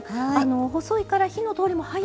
細いから火の通りも早いんですね。